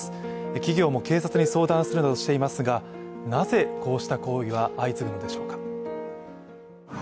企業も警察に相談するなどしていますがなぜこうした行為は相次ぐのでしょうか。